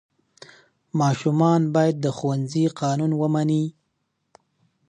ماشومان باید د ښوونځي قانون ومني.